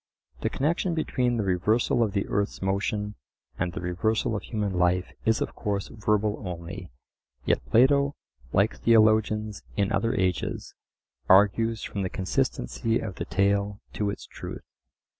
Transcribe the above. The connection between the reversal of the earth's motion and the reversal of human life is of course verbal only, yet Plato, like theologians in other ages, argues from the consistency of the tale to its truth.